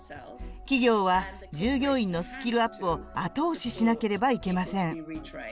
企業は従業員のスキルアップを後押ししなければいけません。